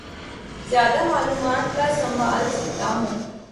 زیادہ معلومات کا سنبھال سکتا ہوں